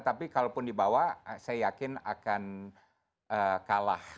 tapi kalau pun dibawa saya yakin akan kalah